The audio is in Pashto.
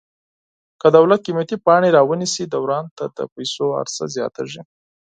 که دولت قیمتي پاڼې را ونیسي دوران ته د پیسو عرضه زیاتیږي.